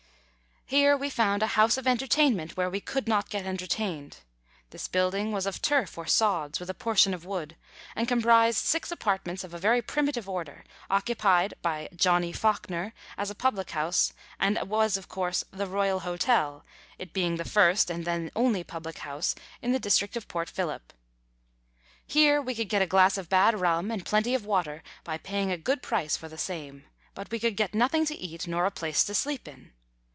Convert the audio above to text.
Here we found a house of entertainment where we could not get entertained. This building was of turf or sods, with a portion of wood, and comprised six apartments of a very primitive order, occupied by "Johnny Fawkner," as a public house, and was, of course, "The Royal Hotel," it being the first and then the only public house in the district of Port Phillip. Here we could get a glass of bad rum and plenty of water by paying a good price for the same ; but we could get nothing to eat nor a place to sleep in.